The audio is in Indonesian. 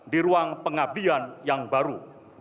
di ruang pengabdian yang baru